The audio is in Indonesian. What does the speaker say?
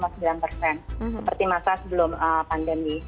seperti masa sebelum pandemi